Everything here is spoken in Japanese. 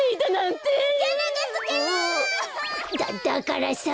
だだからさ！